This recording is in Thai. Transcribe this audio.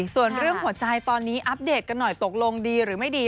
ส่วนเรื่องหัวใจตอนนี้อัปเดตกันหน่อยตกลงดีหรือไม่ดี